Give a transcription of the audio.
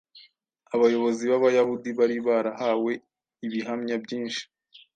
Abayobozi b’Abayahudi bari barahawe ibihamya byinshi